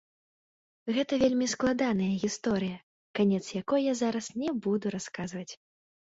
Гэта вельмі складаная гісторыя, канец якой я зараз не буду расказваць.